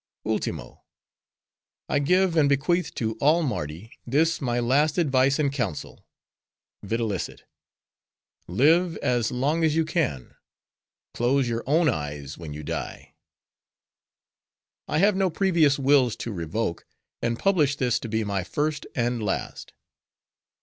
"'Ultimo. I give and bequeath to all Mardi this my last advice and counsel:—videlicet: live as long as you can; close your own eyes when you die. "'I have no previous wills to revoke; and publish this to be my first and last.